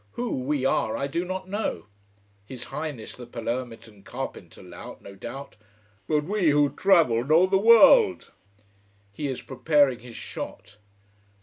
Who we are, I do not know: his highness the Palermitan carpenter lout, no doubt. But we, who travel, know the world. He is preparing his shot.